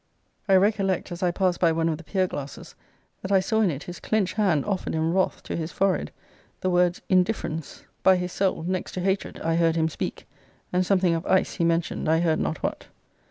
I recollect, as I passed by one of the pier glasses, that I saw in it his clenched hand offered in wrath to his forehead: the words, Indifference, by his soul, next to hatred, I heard him speak; and something of ice he mentioned: I heard not what.